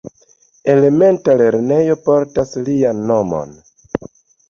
Elementa lernejo portas lian nomon.